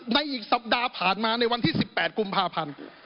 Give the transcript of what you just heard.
อีกสัปดาห์ผ่านมาในวันที่๑๘กุมภาพันธ์